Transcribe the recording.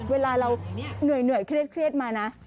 เวลาเราเหนื่อยเครียดมานะ